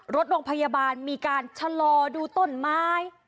รถโรงพยาบาลมีการชะลอดูต้นไม้